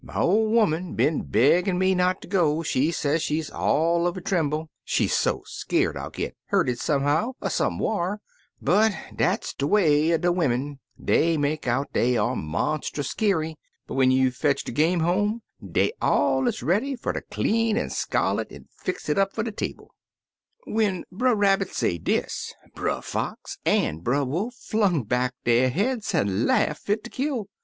My ol' 'oman been beggin' me xiot ter go; she say she's all uv a trimble, she so skeered I'll git hurted somehow er somewhar. But dat's de way wid de wim* lo Brother Rabbit's Bear Hunt min; dey make out dey are monstus skeery, but when you fetch de game home, dey allers ready fer ter clean an' scar it, an' fix it up fer de table/ "When Brer Rabbit say dis, Brer Fox an' Brer Wolf flung back der heads an' laugh fit ter kill.